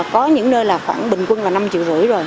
có những nơi là khoảng bình quân là năm triệu rưỡi rồi